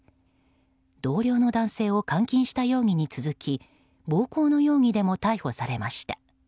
同僚の男性を監禁した容疑に続き暴行の容疑でも逮捕されました。